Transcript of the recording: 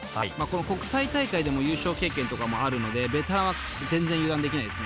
国際大会でも優勝経験とかもあるのでベテランは全然油断できないですね。